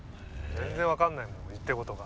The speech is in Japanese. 全然わかんないもん言ってることが。